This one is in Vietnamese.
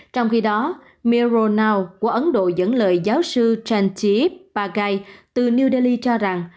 trong khi đó mir ronao của ấn độ dẫn lời giáo sư chantip pagai từ new delhi cho rằng